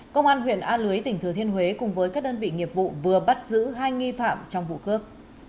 công an huyện a lưới tỉnh thừa thiên huế cùng với các đơn vị nghiệp vụ vừa bắt giữ hai nghi phạm trong vụ cướp